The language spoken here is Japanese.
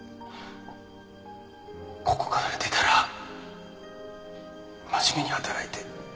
ここから出たら真面目に働いて。